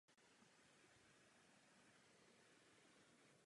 Požadavky na vodu střední.